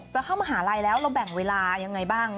จะเข้ามหาลัยแล้วเราแบ่งเวลายังไงบ้าง